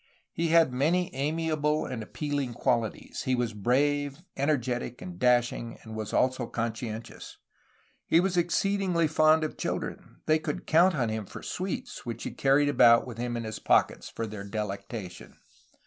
He had many amiable and appealing qualities. He was brave, energetic, and dashing, and was also conscientious. He was exceedingly fond of children; they THE ROMANTIC PERIOD, 1782 1810 401 could count on him for sweets, which he carried about with him in his pockets for their delectation.